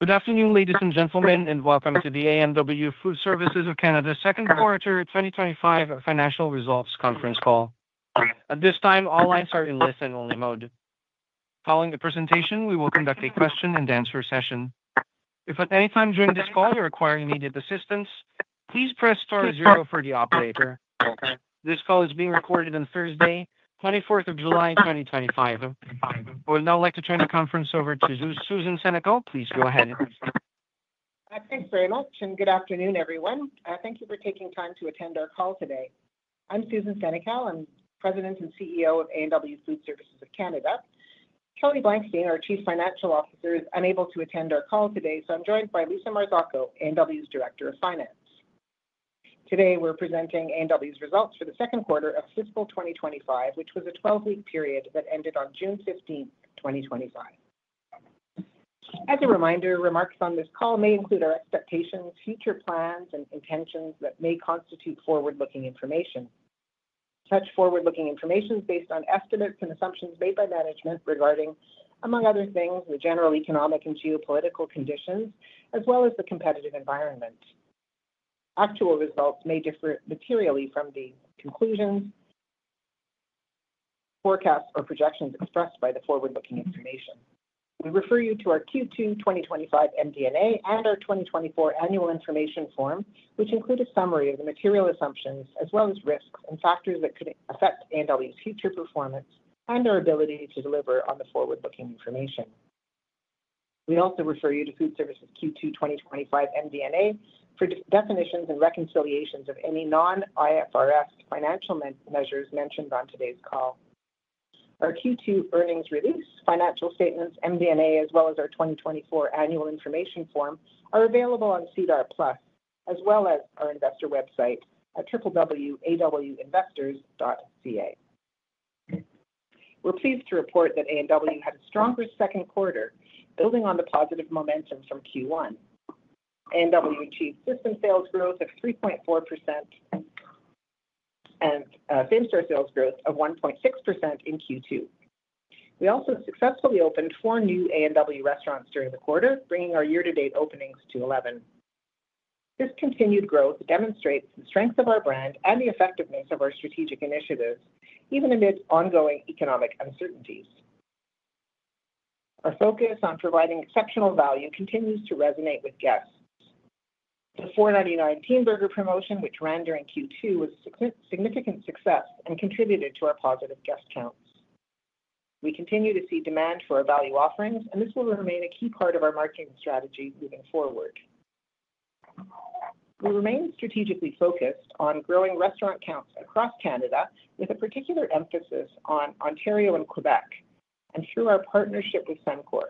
Good afternoon, ladies and gentlemen, and welcome to the A&W Food services of Canada second quarter 2025 financial results conference call. At this time, all lines are in listen-only mode. Following the presentation, we will conduct a question and answer session. If at any time during this call you require immediate assistance, please press star zero for the operator. This call is being recorded on Thursday, 24th of July, 2025. I would now like to turn the conference over to Susan Senecal. Please go ahead. Thanks very much, and good afternoon, everyone. Thank you for taking time to attend our call today. I'm Susan Senecal, I'm President and CEO of A&W Food Services of Canada. Kelly Blankstein, our Chief Financial Officer, is unable to attend our call today, so I'm joined by Lisa Marzocco, A&W's Director of Finance. Today, we're presenting A&W's results for the second quarter of fiscal 2025, which was a 12-week period that ended on June 15, 2025. As a reminder, remarks on this call may include our expectations, future plans, and intentions that may constitute forward-looking information. Such forward-looking information is based on estimates and assumptions made by management regarding, among other things, the general economic and geopolitical conditions, as well as the competitive environment. Actual results may differ materially from the conclusions, forecasts, or projections expressed by the forward-looking information. We refer you to our Q2 2025 MD&A and our 2024 annual Information form, which include a summary of the material assumptions, as well as risks and factors that could affect A&W's future performance and our ability to deliver on the forward-looking information. We also refer you to food services Q2 2025 MD&A for definitions and reconciliations of any non-IFRS financial measures mentioned on today's call. Our Q2 earnings release, financial statements, MD&A, as well as our 2024 annual Information form are available on SEDAR+, as well as our investor website at www.awinvestors.ca. We're pleased to report that A&W had a stronger second quarter, building on the positive momentum from Q1. A&W achieved system sales growth of 3.4% and same-store sales growth of 1.6% in Q2. We also successfully opened four new A&W restaurants during the quarter, bringing our year-to-date openings to 11. This continued growth demonstrates the strength of our brand and the effectiveness of our strategic initiatives, even amid ongoing economic uncertainties. Our focus on providing exceptional value continues to resonate with guests. The 4.99 Teen Burger promotion, which ran during Q2, was a significant success and contributed to our positive guest counts. We continue to see demand for our value offerings, and this will remain a key part of our marketing strategy moving forward. We remain strategically focused on growing restaurant counts across Canada, with a particular emphasis on Ontario and Quebec, and through our partnership with Sencor.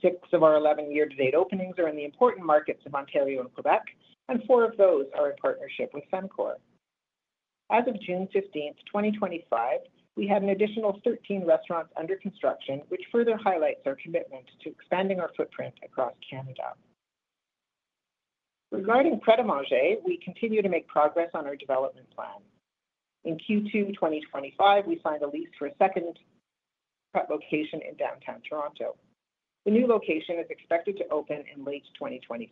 Six of our 11 year-to-date openings are in the important markets of Ontario and Quebec, and four of those are in partnership with Sencor. As of June 15th, 2025, we had an additional 13 restaurants under construction, which further highlights our commitment to expanding our footprint across Canada. Regarding Pret a Manger, we continue to make progress on our development plan. In Q2 2025, we signed a lease for a second location in downtown Toronto. The new location is expected to open in late 2025.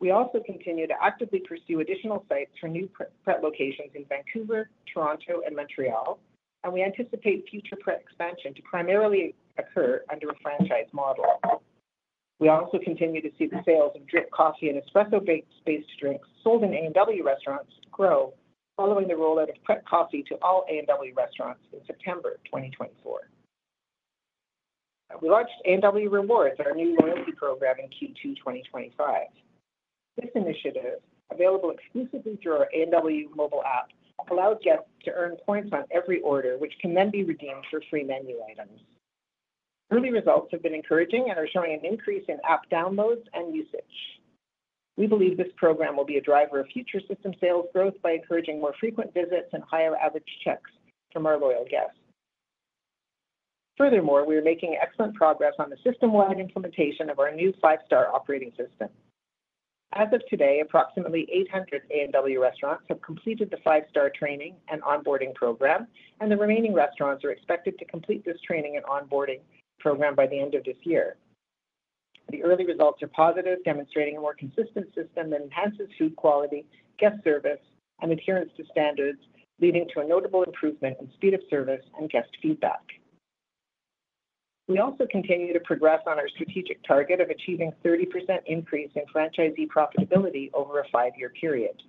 We also continue to actively pursue additional sites for new Pret locations in Vancouver, Toronto, and Montreal, and we anticipate future Pret expansion to primarily occur under a franchise model. We also continue to see the sales of drip coffee and espresso-based drinks sold in A&W restaurants grow, following the rollout of Pret Coffee to all A&W restaurants in September 2024. We launched A&W Rewards, our new loyalty program, in Q2 2025. This initiative, available exclusively through our A&W mobile app, allows guests to earn points on every order, which can then be redeemed for free menu items. Early results have been encouraging and are showing an increase in app downloads and usage. We believe this program will be a driver of future system sales growth by encouraging more frequent visits and higher average checks from our loyal guests. Furthermore, we are making excellent progress on the system-wide implementation of our new five-star operating system. As of today, approximately 800 A&W restaurants have completed the five-star training and onboarding program, and the remaining restaurants are expected to complete this training and onboarding program by the end of this year. The early results are positive, demonstrating a more consistent system that enhances food quality, guest service, and adherence to standards, leading to a notable improvement in speed of service and guest feedback. We also continue to progress on our strategic target of achieving a 30% increase in franchisee profitability over a five-year period.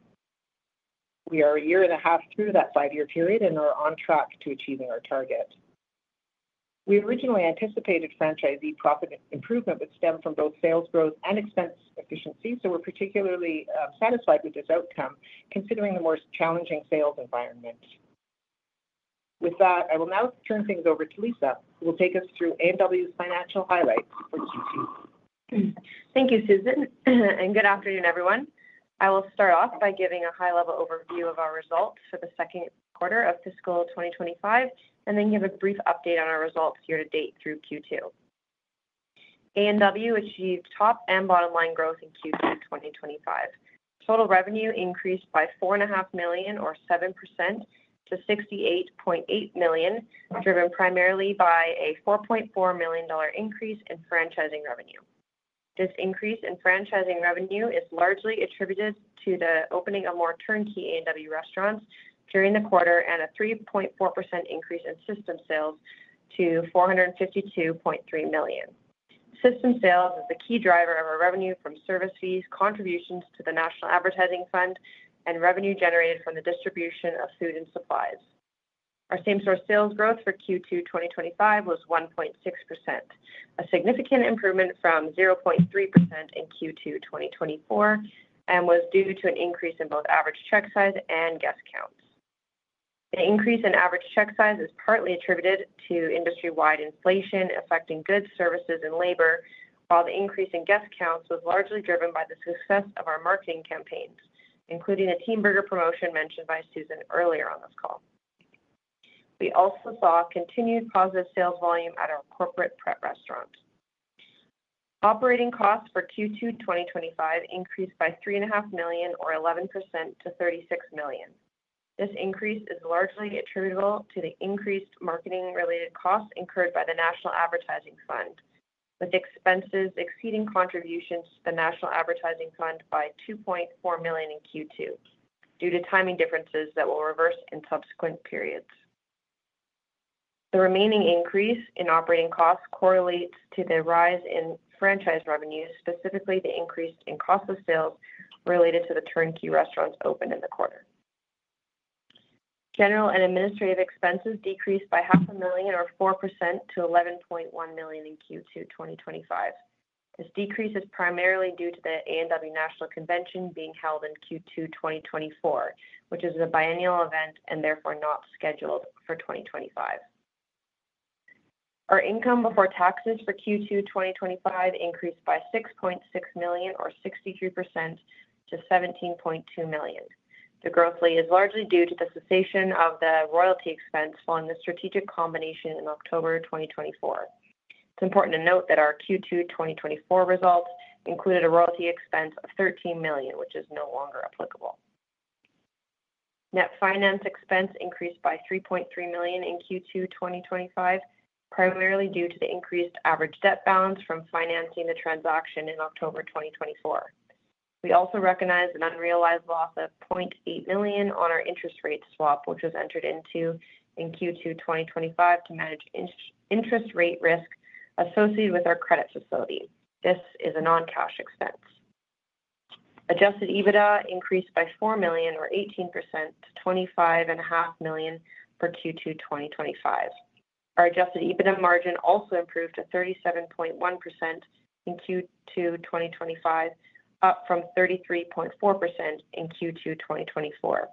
We are a year and a half through that five-year period and are on track to achieving our target. We originally anticipated franchisee profit improvement would stem from both sales growth and expense efficiency, so we're particularly satisfied with this outcome, considering the more challenging sales environment. With that, I will now turn things over to Lisa, who will take us through A&W's financial highlights for Q2. Thank you, Susan, and good afternoon, everyone. I will start off by giving a high-level overview of our results for the second quarter of fiscal 2025, and then give a brief update on our results year-to-date through Q2. A&W achieved top and bottom line growth in Q2 2025. Total revenue increased by 4.5 million, or 7%, to 68.8 million, driven primarily by a 4.4 million dollar increase in franchising revenue. This increase in franchising revenue is largely attributed to the opening of more turnkey A&W restaurants during the quarter and a 3.4% increase in system sales to 452.3 million. System sales is the key driver of our revenue from service fees, contributions to the National Advertising Fund, and revenue generated from the distribution of food and supplies. Our same-store sales growth for Q2 2025 was 1.6%, a significant improvement from 0.3% in Q2 2024, and was due to an increase in both average check size and guest counts. The increase in average check size is partly attributed to industry-wide inflation affecting goods, services, and labor, while the increase in guest counts was largely driven by the success of our marketing campaigns, including the Teen Burger promotion mentioned by Susan earlier on this call. We also saw continued positive sales volume at our corporate Pret restaurants. Operating costs for Q2 2025 increased by 3.5 million, or 11%, to 36 million. This increase is largely attributable to the increased marketing-related costs incurred by the National Advertising Fund, with expenses exceeding contributions to the National Advertising Fund by 2.4 million in Q2, due to timing differences that will reverse in subsequent periods. The remaining increase in operating costs correlates to the rise in franchise revenues, specifically the increase in cost of sales related to the turnkey restaurants opened in the quarter. General and administrative expenses decreased by CAD 500,000 of 4% to 11.1 million in Q2 2025. This decrease is primarily due to the A&W National Convention being held in Q2 2024, which is a biennial event and therefore not scheduled for 2025. Our income before taxes for Q2 2025 increased by 6.6 million or 63% to 17.2 million. The growth is largely due to the cessation of the royalty expense following the strategic culmination in October 2024. It's important to note that our Q2 2024 results included a royalty expense of 13 million, which is no longer applicable. Net finance expense increased by 3.3 million in Q2 2025, primarily due to the increased average debt balance from financing the transaction in October 2024. We also recognize an unrealized loss of 800,000 on our interest rate swap, which was entered into in Q2 2025 to manage interest rate risk associated with our credit facility. This is a non-cash expense. Adjusted EBITDA increased by 4 million, or 18%, to 25.5 million for Q2 2025. Our adjusted EBITDA margin also improved to 37.1% in Q2 2025, up from 33.4% in Q2 2024.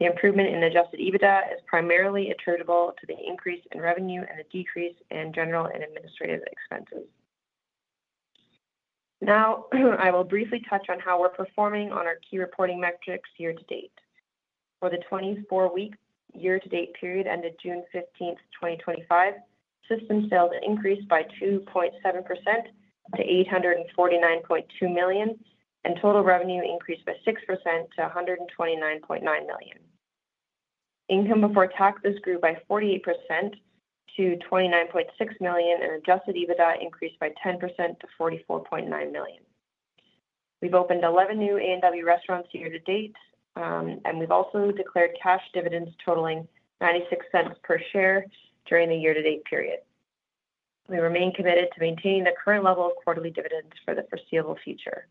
The improvement in adjusted EBITDA is primarily attributable to the increase in revenue and the decrease in general and administrative expenses. Now, I will briefly touch on how we're performing on our key reporting metrics year-to-date. For the 24-week year-to-date period ended June 15th, 2025, system sales increased by 2.7% to 849.2 million, and total revenue increased by 6% to 129.9 million. Income before taxes grew by 48% to 29.6 million, and adjusted EBITDA increased by 10% to 44.9 million. We've opened 11 new A&W restaurants year-to-date, and we've also declared cash dividends totaling 0.96 per share during the year-to-date period. We remain committed to maintaining the current level of quarterly dividends for the foreseeable future.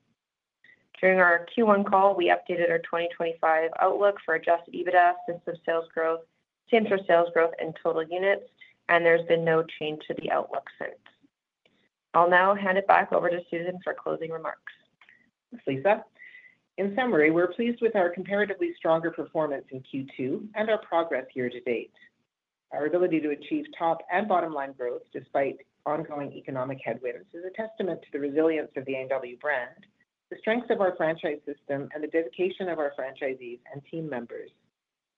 During our Q1 call, we updated our 2025 outlook for adjusted EBITDA, system sales growth, same-store sales growth, and total units, and there's been no change to the outlook since. I'll now hand it back over to Susan for closing remarks. Thanks, Lisa. In summary, we're pleased with our comparatively stronger performance in Q2 and our progress year-to-date. Our ability to achieve top and bottom line growth despite ongoing economic headwinds is a testament to the resilience of the A&W brand, the strength of our franchise system, and the dedication of our franchisees and team members.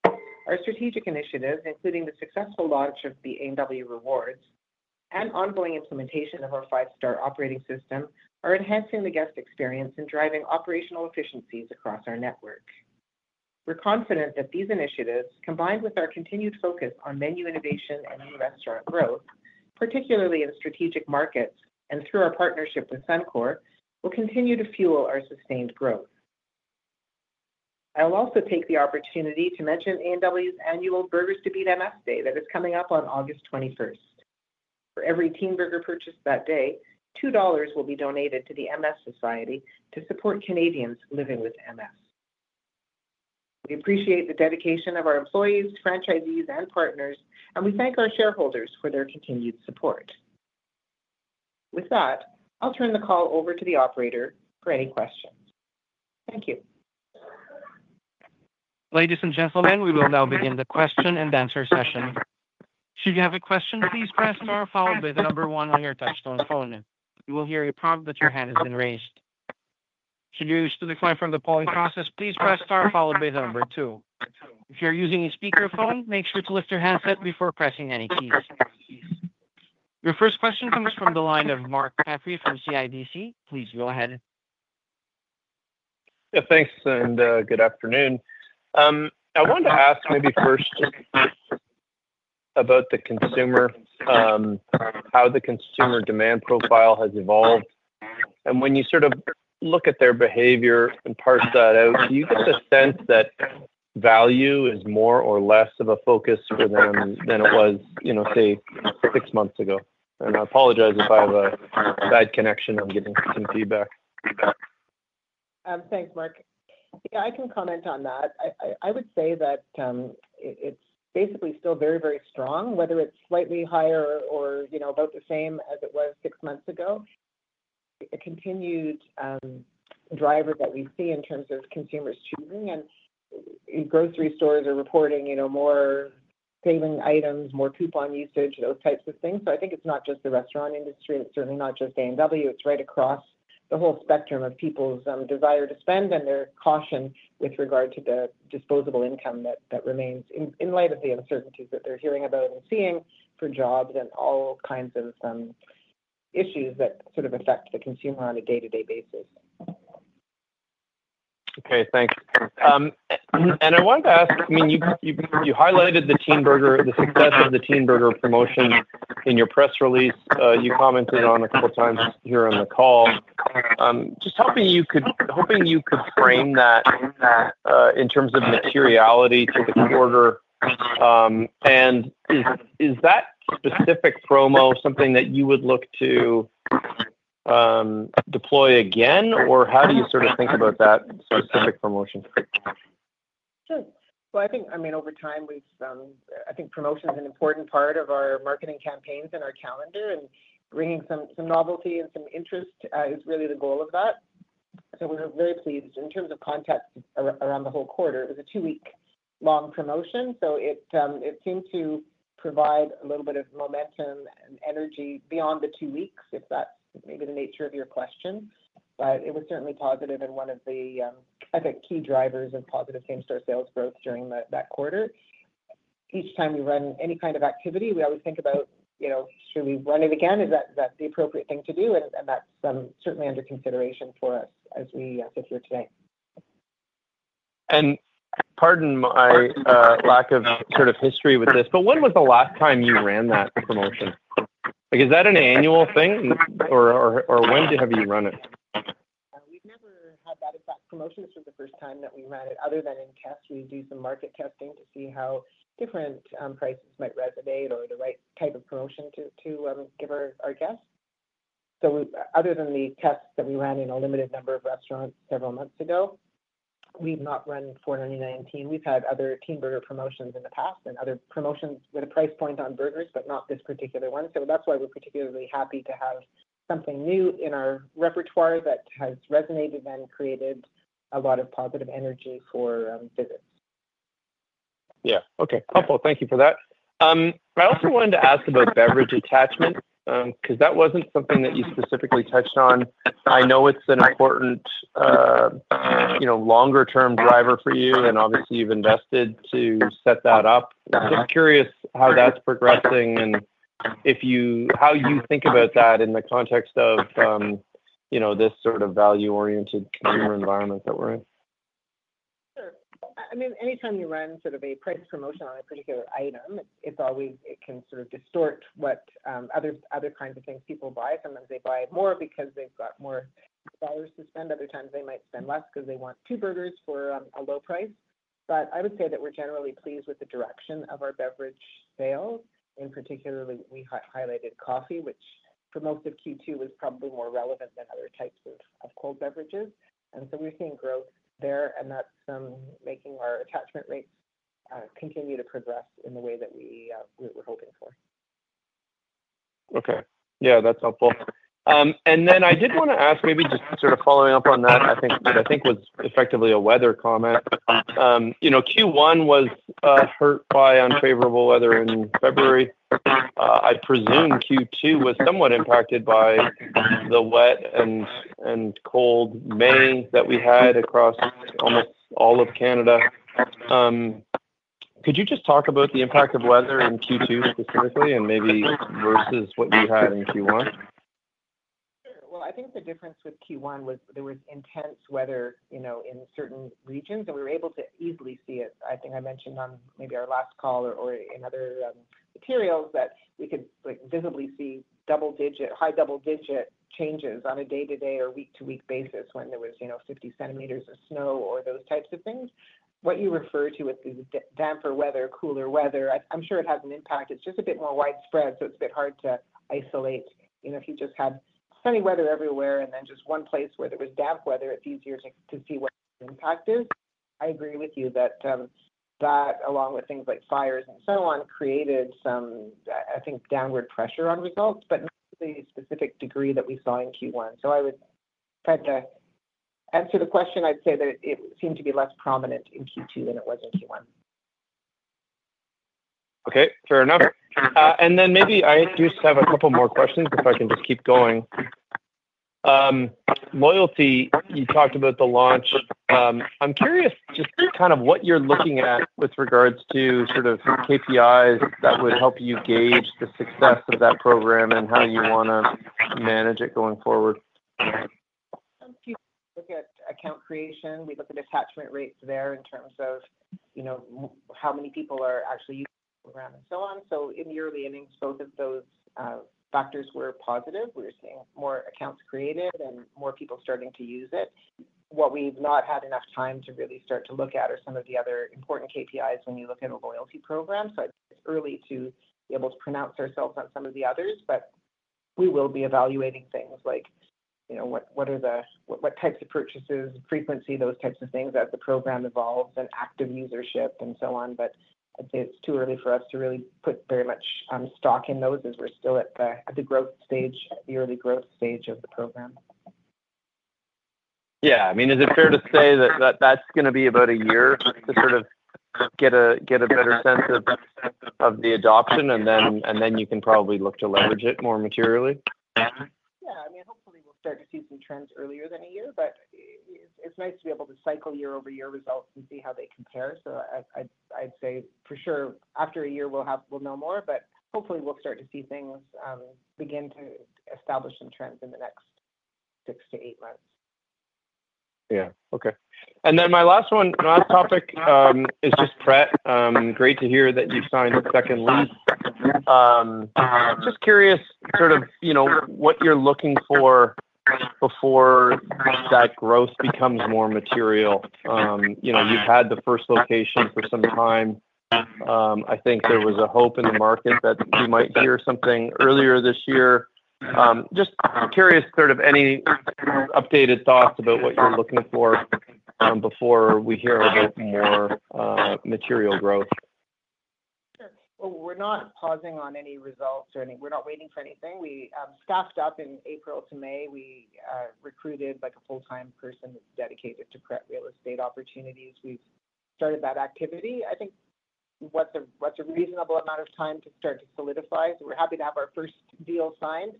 Our strategic initiatives, including the successful launch of the A&W Rewards and ongoing implementation of our five-star operating system, are enhancing the guest experience and driving operational efficiencies across our network. We're confident that these initiatives, combined with our continued focus on menu innovation and new restaurant growth, particularly in strategic markets and through our partnership with Sencor, will continue to fuel our sustained growth. I will also take the opportunity to mention A&W's annual Burgers to Beat MS Day that is coming up on August 21st. For every Teen Burger purchased that day, 2 dollars will be donated to the MS society to support Canadians living with MS. We appreciate the dedication of our employees, franchisees, and partners, and we thank our shareholders for their continued support. With that, I'll turn the call over to the operator for any questions. Thank you. Ladies and gentlemen, we will now begin the question and answer session. Should you have a question, please press star followed by the number one on your touch-tone phone. You will hear a prompt that your hand has been raised. Should you wish to decline from the polling process, please press star followed by the number two. If you're using a speakerphone, make sure to lift your handset before pressing any keys. Your first question comes from the line of Mark Petrie from CIDC. Please go ahead. Thanks, and good afternoon. I wanted to ask maybe first just about the consumer, how the consumer demand profile has evolved. When you sort of look at their behavior and parse that out, do you get the sense that value is more or less of a focus for them than it was, you know, say, six months ago? I apologize if I have a bad connection. I'm getting some feedback. Thanks, Mark. Yeah, I can comment on that. I would say that it's basically still very, very strong, whether it's slightly higher or, you know, about the same as it was six months ago. A continued driver that we see in terms of consumers choosing, and grocery stores are reporting more sale items, more coupon usage, those types of things. I think it's not just the restaurant industry. It's certainly not just A&W. It's right across the whole spectrum of people's desire to spend and their caution with regard to the disposable income that remains in light of the uncertainties that they're hearing about and seeing for jobs and all kinds of issues that affect the consumer on a day-to-day basis. Okay, thanks. I wanted to ask, I mean, you highlighted the Teen Burger, the success of the Teen Burger promotions in your press release. You commented on it a couple of times here on the call. Just help me, if you could, hoping you could frame that in terms of materiality to the order. Is that specific promo something that you would look to deploy again, or how do you sort of think about that specific promotion? I think promotion is an important part of our marketing campaigns and our calendar, and bringing some novelty and some interest is really the goal of that. We were very pleased. In terms of context around the whole quarter, it was a two-week long promotion, so it seemed to provide a little bit of momentum and energy beyond the two weeks, if that's maybe the nature of your question. It was certainly positive and one of the key drivers of positive same-store sales growth during that quarter. Each time we run any kind of activity, we always think about, you know, should we run it again? Is that the appropriate thing to do? That's certainly under consideration for us as we sit here today. Pardon my lack of sort of history with this, but when was the last time you ran that promotion? Is that an annual thing, or when have you run it? We've never had that exact promotion. This was the first time that we ran it other than in tests. We do the market testing to see how different prices might resonate or the right type of promotion to give our guests. Other than the tests that we ran in a limited number of restaurants several months ago, we've not run 4.99. We've had other Teen Burger promotions in the past and other promotions with a price point on burgers, but not this particular one. That's why we're particularly happy to have something new in our repertoire that has resonated and created a lot of positive energy for visits. Okay. Helpful. Thank you for that. I also wanted to ask about beverage attachment because that wasn't something that you specifically touched on. I know it's an important, you know, longer-term driver for you, and obviously you've invested to set that up. I'm curious how that's progressing and how you think about that in the context of, you know, this sort of value-oriented team or environment that we're in. Sure. I mean, anytime you run sort of a price promotion on a particular item, it can sort of distort what other kinds of things people buy. Sometimes they buy more because they've got more dollars to spend. Other times they might spend less because they want two burgers for a low price. I would say that we're generally pleased with the direction of our beverage sales. In particular, we highlighted coffee, which for most of Q2 was probably more relevant than other types of cold beverages. We're seeing growth there, and that's making our attachment rates continue to progress in the way that we were hoping for. Okay, that's helpful. I did want to ask, maybe just sort of following up on that, I think it was effectively a weather comment. You know, Q1 was hurt by unfavorable weather in February. I presume Q2 was somewhat impacted by the wet and cold May that we've had across almost all of Canada. Could you just talk about the impact of weather in Q2 specifically and maybe versus what you had in Q1? I think the difference with Q1 was there was intense weather in certain regions, and we were able to easily see it. I think I mentioned on maybe our last call or in other materials that you could visibly see double-digit, high double-digit changes on a day-to-day or week-to-week basis when there was 50 centimeters of snow or those types of things. What you refer to with the damper weather, cooler weather, I'm sure it has an impact. It's just a bit more widespread, so it's a bit hard to isolate. If you just had sunny weather everywhere and then just one place where there was damp weather, it's easier to see what the impact is. I agree with you that that, along with things like fires and so on, created some downward pressure on results, but not the specific degree that we saw in Q1. I was trying to answer the question. I'd say that it seemed to be less prominent in Q2 than it was in Q1. Okay. Fair enough. I just have a couple more questions if I can just keep going. Loyalty, you talked about the launch. I'm curious just kind of what you're looking at with regards to sort of KPIs that would help you gauge the success of that program and how you want to manage it going forward. If you look at account creation, we look at attachment rate there in terms of how many people are actually using the program and so on. In the early innings, both of those factors were positive. We were seeing more accounts created and more people starting to use it. What we've not had enough time to really start to look at are some of the other important KPIs when you look at a loyalty program. It's early to be able to pronounce ourselves on some of the others, but we will be evaluating things like what types of purchases, frequency, those types of things as the program evolves, and active usership and so on. I'd say it's too early for us to really put very much stock in those as we're still at the growth stage, the early growth stage of the program. Yeah, I mean, is it fair to say that that's going to be about a year to sort of get a better sense of the adoption, and then you can probably look to leverage it more materially? I'd like to see some trends earlier than a year, but it's nice to be able to cycle year-over-year results and see how they compare. I'd say for sure, after a year, we'll know more, but hopefully, we'll start to see things begin to establish some trends in the next six to eight months. Okay. My last topic is just Pret. Great to hear that you signed second lead. Just curious, sort of, you know, what you're looking for before that growth becomes more material. You've had the first location for some time. I think there was a hope in the market that you might hear something earlier this year. Just curious, sort of, any updated thoughts about what you're looking for before we hear about more material growth. Sure. We're not pausing on any results or waiting for anything. We staffed up in April to May. We recruited a full-time person that's dedicated to Pret real estate opportunities. We've started that activity. I think what's a reasonable amount of time to start to solidify. We're happy to have our first deal signed.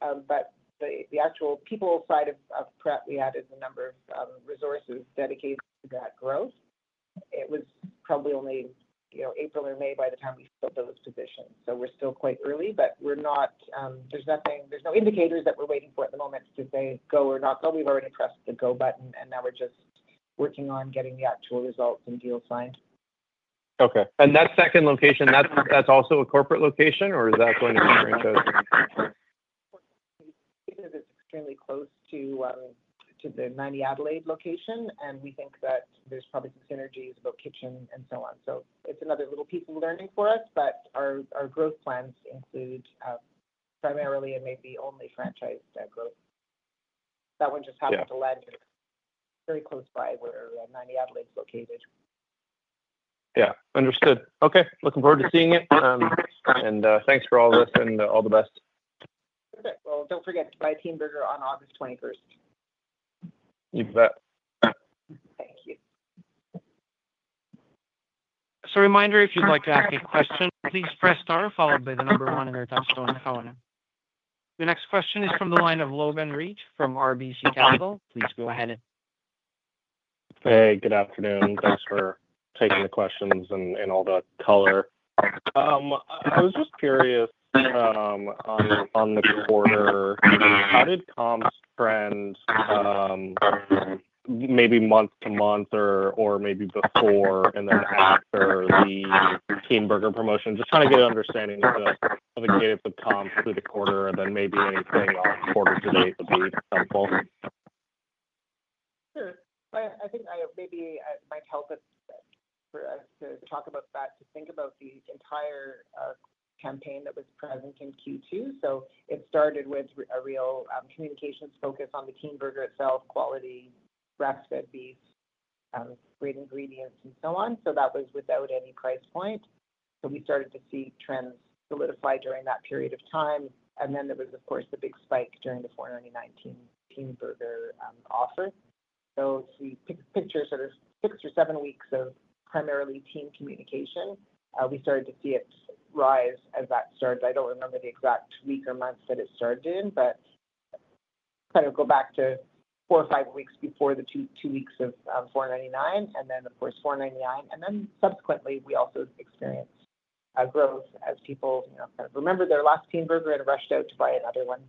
The actual people side of Pret, we added a number of resources dedicated to that growth. It was probably only April or May by the time we filled those positions. We're still quite early, but there's nothing, there's no indicators that we're waiting for at the moment to say go or not go. We've already pressed the go button, and now we're just working on getting the actual results and deals signed. Okay. That second location, that's also a corporate location, or is that going to be franchised? It is extremely close to the 90 Adelaide location, and we think that there's probably some synergies about kitchen and so on. It's another little piece of learning for us, but our growth plans include primarily and maybe only franchise growth. That one just happened to land very close by where 90 Adelaide is located. Understood. Okay. Looking forward to seeing it. Thanks for all this and all the best. Perfect. Don't forget, it's my Teen Burger on August 21st. You bet. Bye. If you'd like to ask a question, please press star followed by the number one on your touch-tone phone. The next question is from the line of Logan Reich from RBC Capital. Please go ahead. Hey, good afternoon. Thanks for taking the questions and all the color. I was just curious on the quarter. How did comps trend maybe month to month or maybe before and then after the Teen Burger promotion? Just trying to get an understanding of the gap of comps through the quarter and then maybe anything on quarter to date would be helpful. Sure. I think it might help for us to talk about that, to think about the entire campaign that was present in Q2. It started with a real communications focus on the Teen Burger itself, quality, grass-fed beef, great ingredients, and so on. That was without any price point. We started to see trends solidify during that period of time. There was, of course, a big spike during the 4.99 Teen Burger offer. If you picture sort of six or seven weeks of primarily Teen Burger communication, we started to see it rise as that started. I don't remember the exact week or month that it started in, but go back to four or five weeks before the two weeks of 4.99, and then, of course, 4.99. Subsequently, we also experienced growth as people remembered their last Teen Burger and rushed out to buy another one.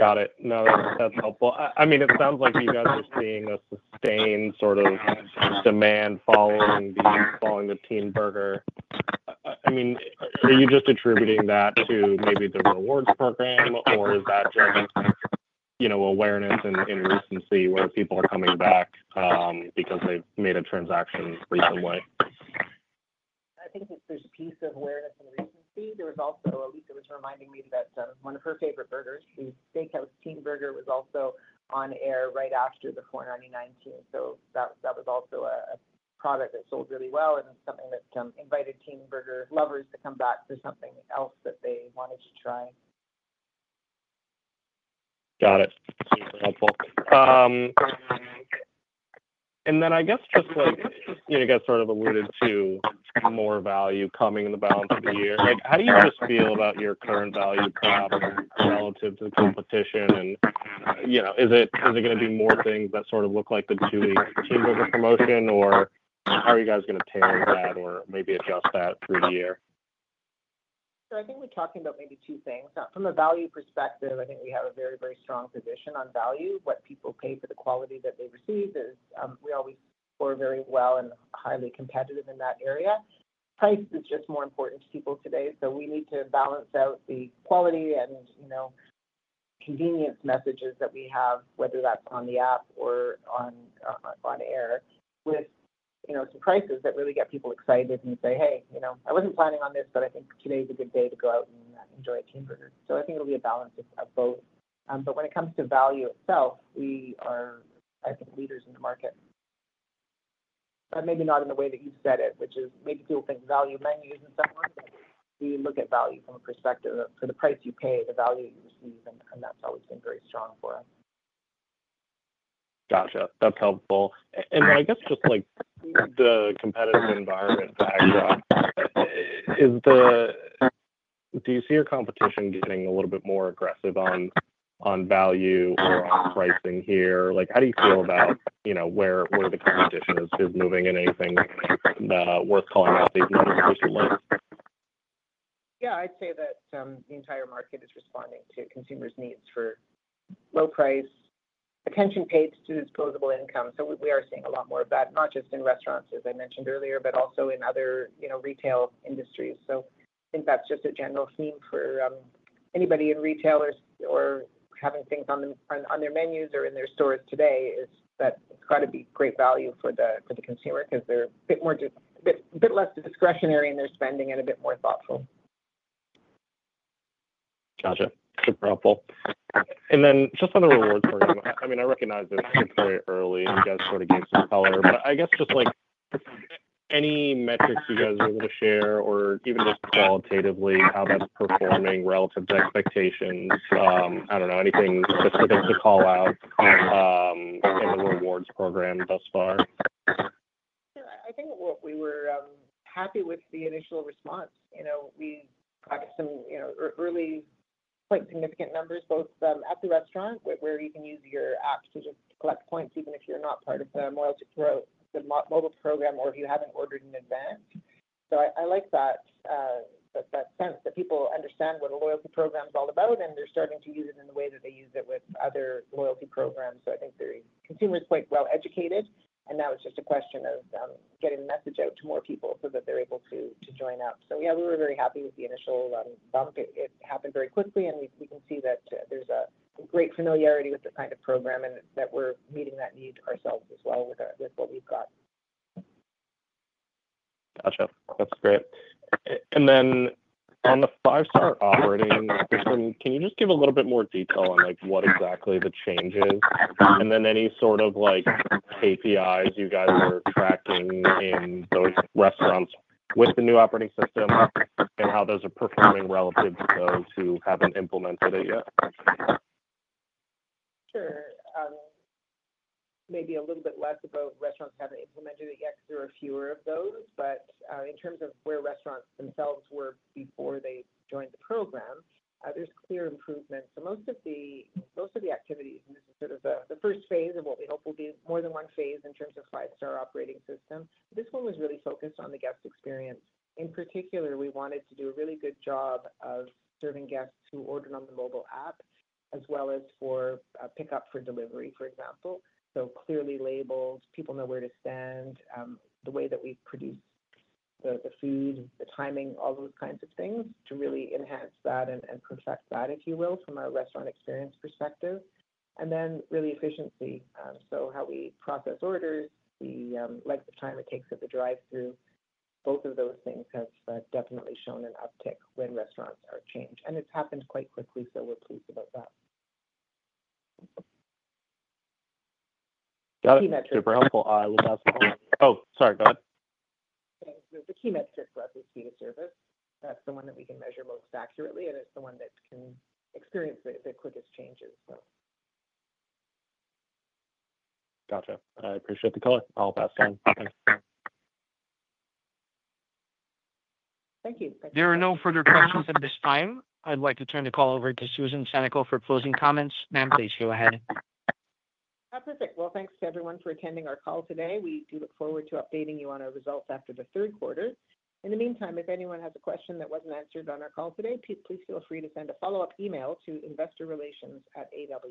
Got it. No, that's helpful. I mean, it sounds like you guys are seeing a sustained sort of demand following the Teen Burger. I mean, are you just attributing that to maybe the A&W Rewards program, or is that just, you know, awareness and recency where people are coming back because they've made a transaction recently? There's a piece of awareness and recency. Alyssa was reminding me that one of her favorite burgers, the steakhouse Teen Burger, was also on air right after the 4.99 too. That was also a product that sold really well and something that invited Teen Burger lovers to come back for something else that they wanted to try. Got it. Super helpful. I guess just like, you know, you guys sort of alluded to more value coming in the balance of the year. How do you feel about your current value prohibitors relative to the competition? Is it going to do more things that sort of look like the two-week Teen Burger promotion, or are you guys going to pare that or maybe adjust that through the year? I think we're talking about maybe two things. From a value perspective, I think we have a very, very strong position on value. What people pay for the quality that they receive, we always score very well and are highly competitive in that area. Price is just more important to people today. We need to balance out the quality and, you know, convenience messages that we have, whether that's on the app or on air, with some prices that really get people excited and say, "Hey, you know, I wasn't planning on this, but I think today's a good day to go out and enjoy a Teen Burger." I think it'll be a balance of both. When it comes to value itself, we are, I think, leaders in the market. Maybe not in the way that you've said it, which is maybe people think value menus and so on. We look at value from a perspective of for the price you pay, the value you receive, and that's always been very strong for us. Gotcha. That's helpful. I guess just like the competitive environment backdrop, do you see your competition getting a little bit more aggressive on value or on pricing here? How do you feel about, you know, where the competition is moving? Anything that's worth calling out they've noticed recently? Yeah, I'd say that the entire market is responding to consumers' needs for low price, attention paid to disposable income. We are seeing a lot more of that, not just in restaurants, as I mentioned earlier, but also in other retail industries. I think that's just a general theme for anybody in retail or having things on their menus or in their stores today. It's got to be great value for the consumer because they're a bit less discretionary in their spending and a bit more thoughtful. Gotcha. Super helpful. Just on the rewards program, I recognize it's very early. You guys sort of gave some color, but I guess just like any metrics you guys are able to share or even just qualitatively how that's performing relative to expectations. I don't know. Anything specific to call out in the rewards program thus far? I think we were happy with the initial response. We got some early, quite significant numbers, both at the restaurant where you can use your app to just collect points, even if you're not part of the loyalty program or if you haven't ordered an event. I like that sense that people understand what a loyalty program is all about, and they're starting to use it in the way that they use it with other loyalty programs. I think the consumers are quite well educated, and now it's just a question of getting the message out to more people so that they're able to join up. We were very happy with the initial bump. It happened very quickly, and we can see that there's a great familiarity with the kind of program and that we're meeting that need ourselves as well with what we've got. Gotcha. That's great. On the five-star operating system, can you just give a little bit more detail on what exactly the change is? Any sort of KPIs you guys are tracking in those restaurants with the new operating system and how those are performing relative to those who haven't implemented it yet? Sure. Maybe a little bit less about restaurants that haven't implemented it yet because there are fewer of those. In terms of where restaurants themselves were before they joined the program, there's clear improvement. Most of the activities, and this is sort of the first phase of what we hope will be more than one phase in terms of the five-star operating system, were really focused on the guest experience. In particular, we wanted to do a really good job of serving guests who ordered on the mobile app, as well as for pickup, for delivery, for example. Clearly labeled, people know where to stand, the way that we produce the food, the timing, all those kinds of things to really enhance that and perfect that, if you will, from a restaurant experience perspective. Really, efficiency, how we process orders, the length of time it takes at the drive-through, both of those things have definitely shown an uptick when restaurants are changed. It's happened quite quickly, so we're pleased about that. Got it. Super helpful. I love that. Oh, sorry, go ahead. The key metric for us is speed of service. That's the one that we can measure most accurately, and it's the one that can experience the quickest changes. Gotcha. I appreciate the color. I'll pass on. Okay. Thank you. There are no further questions at this time. I'd like to turn the call over to Susan Senecal for closing comments. Ma'am, please go ahead. Perfect. Thanks to everyone for attending our call today. We do look forward to updating you on our results after the third quarter. In the meantime, if anyone has a question that wasn't answered on our call today, please feel free to send a follow-up email to investorrelations@aw.ca.